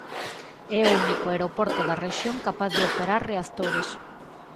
É o único aeroporto da rexión capaz de operar reactores.